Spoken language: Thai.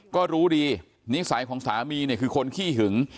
ก็รู้ดีนิสัยของสามีเนี่ยคือคนขี้หึง